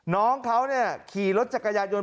น้องเขาขี่รถจักรยานยนต